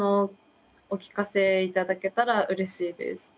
お聞かせ頂けたらうれしいです。